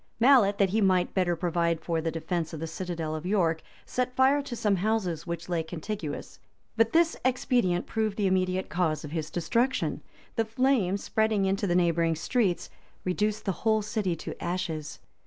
Mallet, that he might better provide for the defence of the citadel of York, set fire to some houses which lay contiguous; but this expedient proved the immediate cause of his destruction. The flames, spreading into the neighboring streets, reduced the whole city to ashes.